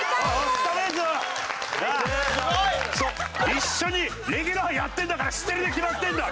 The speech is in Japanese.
一緒にレギュラーやってんだから知ってるに決まってるだろ！